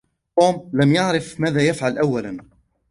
توم لم يعرف ماذا يفعل أولا.